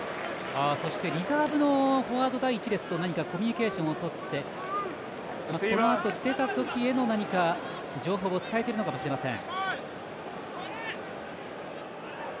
そして、リザーブのフォワード、第１列と何かコミュニケーションをとってこのあと出たときの情報を伝えているのかもしれません。